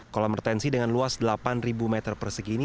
kolam retensi dengan luas delapan meter persegi ini